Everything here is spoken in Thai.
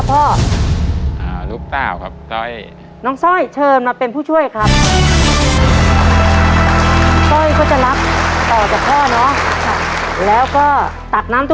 แปลกหูครบแล้วพ่อ